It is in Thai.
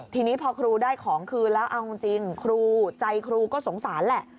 ทีนี้พอครูได้ของคืนแล้วเอาจริงครูใจครูก็สงสารแหละ